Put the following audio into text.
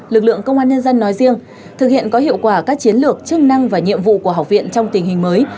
lực lượng công an nhân dân nói riêng thực hiện có hiệu quả các chiến lược chức năng và nhiệm vụ của học viện trong tình hình mới